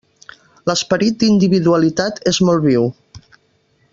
L'esperit d'individualitat és molt viu.